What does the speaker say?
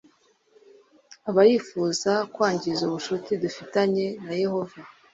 Aba yifuza kwangiza ubucuti dufitanye na Yehova